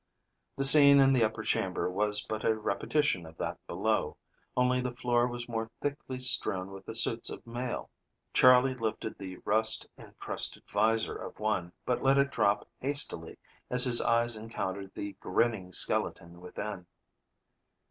The scene in the upper chamber was but a repetition of that below, only the floor was more thickly strewn with the suits of mail. Charley lifted the rust encrusted visor of one, but let it drop hastily as his eyes encountered the grinning skeleton within.